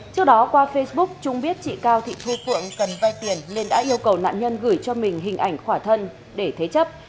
trước đó qua facebook trung biết chị cao thị thu phượng cần vay tiền nên đã yêu cầu nạn nhân gửi cho mình hình ảnh khỏa thân để thế chấp